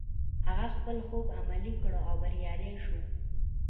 هغه خپل خوب عملي کړ او بريالی شو.